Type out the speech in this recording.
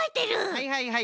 はいはいはい。